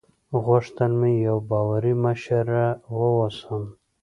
غوښتل مې یوه باوري مشره واوسم.